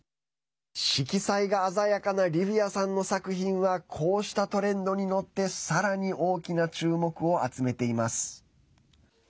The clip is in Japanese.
色彩が鮮やかなリヴィアさんの作品はこうしたトレンドに乗ってさらに大きな注目を集めています。